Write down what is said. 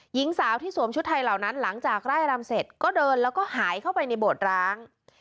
หญิงสาวที่สวมชุดไทยเหล่านั้นหลังจากไล่รำเสร็จก็เดินแล้วก็หายเข้าไปในโบสถ์ร้าง